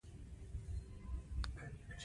د مېلمنو پالنه زموږ لرغونی خوی دی.